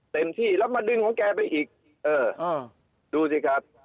เต็มที่แล้วมาดึงของแกไปอีกเออดูสิครับ